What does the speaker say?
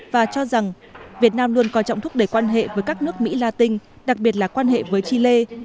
và cho rằng việt nam luôn coi trọng thúc đẩy quan hệ với các nước mỹ la tinh đặc biệt là quan hệ với chile